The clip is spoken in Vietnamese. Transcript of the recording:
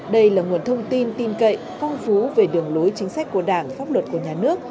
đây là nguồn thông tin tin cậy phong phú về đường lối chính sách của đảng pháp luật của nhà nước